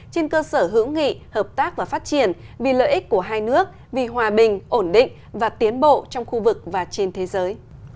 trên cơ sở hữu nghị hợp tác và phát triển vì lợi ích của hai nước vì hòa bình ổn định và tiến bộ trong khu vực và trên thế giới